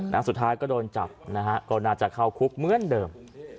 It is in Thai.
สุดท้ายก็โดนจับนะฮะก็น่าจะเข้าคุกเหมือนเดิม